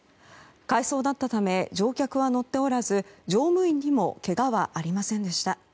回送だったため乗客は乗っておらず乗務員にもけがはありませんでした。